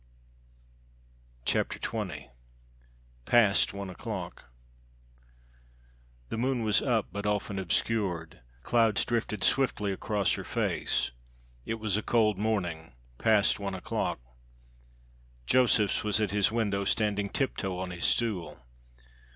CHAPTER XX. PAST one o'clock! The moon was up, but often obscured; clouds drifted swiftly across her face; it was a cold morning past one o'clock. Josephs was at his window standing tiptoe on his stool.